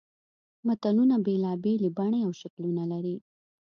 متلونه بېلابېلې بڼې او شکلونه لري